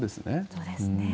そうですね。